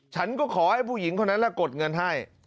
ฉันก็ขอให้ผู้หญิงคนนั้นกดเงินให้